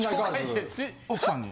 奥さんに。